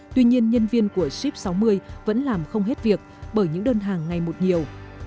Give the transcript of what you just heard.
tuy nhiên nhân viên của ship sáu mươi vẫn làm không hết việc bởi những đơn hàng ngày một nhiều